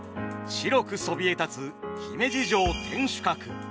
白くそびえ立つ姫路城天守閣。